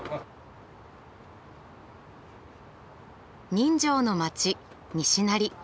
人情の町西成。